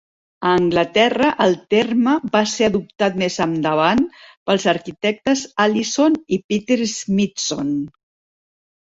A Anglaterra, el terme va ser adoptat més endavant pels arquitectes Alison i Peter Smithson.